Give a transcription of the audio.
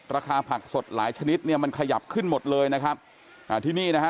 ราคาผักสดหลายชนิดเนี่ยมันขยับขึ้นหมดเลยนะครับอ่าที่นี่นะฮะ